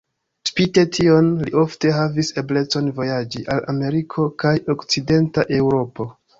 Spite tion, li ofte havis eblecon vojaĝi al Ameriko kaj Okcidenta Eŭropo.